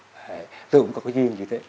tôi cũng có cái duyên như thế